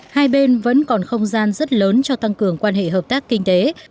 hai bên vẫn còn không gian rất lớn cho tăng cường quan hệ hợp tác kinh tế